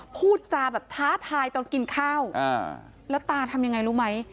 พูดจาแบบท้าทายตอนกินข้าวแล้วตาทำยังไงรู้ไหม